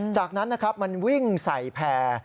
จากนั้นนะครับมันวิ่งใส่แพร่